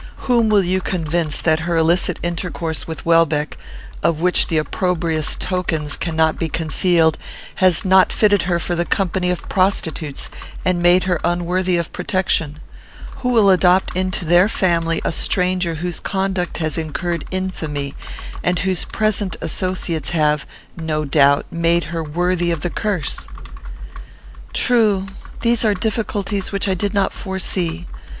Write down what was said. Whom will you convince that her illicit intercourse with Welbeck, of which the opprobrious tokens cannot be concealed, has not fitted her for the company of prostitutes, and made her unworthy of protection? Who will adopt into their family a stranger whose conduct has incurred infamy, and whose present associates have, no doubt, made her worthy of the curse?" "True. These are difficulties which I did not foresee.